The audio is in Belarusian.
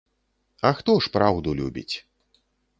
А хто ж праўду любіць?